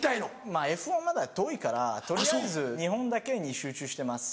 まぁ「Ｆ１」まだ遠いから取りあえず日本だけに集中してます。